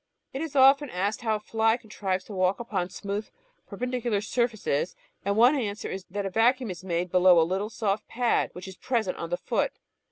It is often asked how a fly contrives to walk up smooth, perpendicular surfaces, and one answer is that a vacuum is made below a httle soft pad which is present on the foot.